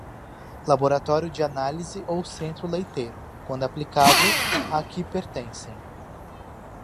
Laboratório de análise ou centro leiteiro, quando aplicável, a que pertencem.